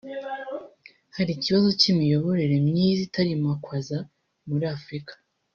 hari ikibazo cy’imiyoborere myiza itarimakwazwa muri Afurika